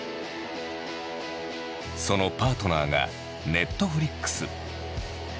そのパートナーがＮｅｔｆｌｉｘ。